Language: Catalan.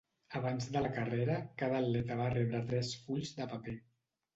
Abans de la carrera, cada atleta va rebre tres fulls de paper.